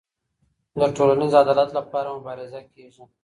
د ټولنیز عدالت لپاره مبارزه کيږي.